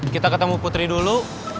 kita ketemu putri dulu